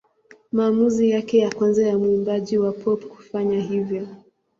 Maamuzi yake ya kwanza ya mwimbaji wa pop kufanya hivyo.